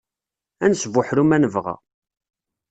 Ad nesbuḥru ma nebɣa.